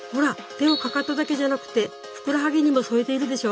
手をかかとだけじゃなくてふくらはぎにも添えているでしょ。